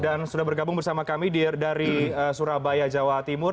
dan sudah bergabung bersama kami dari surabaya jawa timur